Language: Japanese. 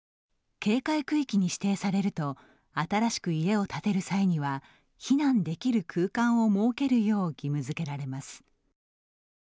警戒区域に指定されると新しく家を建てる際には避難できる空間を設けるよう義務づけられます。